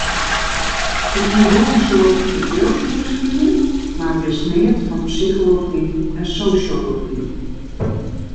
Ik hie wol in soad bedriuwsûnderfining, mar wist neat fan psychology en sosjology.